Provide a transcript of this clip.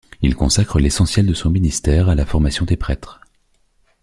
Il consacre l'essentiel de son ministère à la formation des prêtres.